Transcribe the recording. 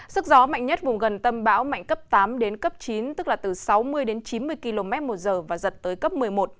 sức gió mạnh nhất vùng gần tâm bão mạnh cấp tám đến cấp chín tức là từ sáu mươi đến chín mươi km một giờ và giật tới cấp một mươi một